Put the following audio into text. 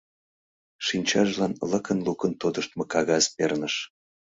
Шинчажлан лыкын-лукын тодыштмо кагаз перныш.